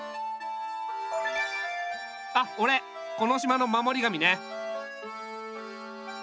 あっおれこの島の守り神ね。